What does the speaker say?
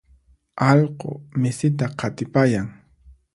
Allqu misita qatipayan.